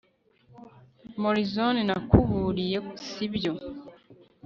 morrison.nakuburiye, si byo